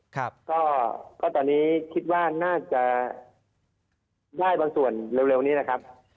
ครับก็ตอนนี้คิดว่าน่าจะได้บางส่วนเร็วนี้นะครับ